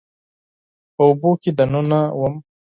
په اوبو کې دننه وم